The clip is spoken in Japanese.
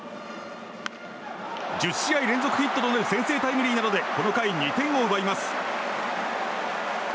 １０試合連続ヒットとなる先制タイムリーなどでこの回、２点を奪います。